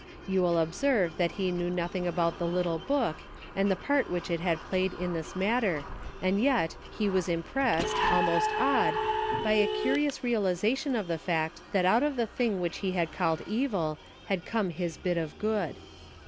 You will ob serve that he knew nothing about the little book, and the part which it had played in this matter, and yet he was impressed, almost awed, by a curious realization of the fact that out of the thing which he called evil had come his bit of good.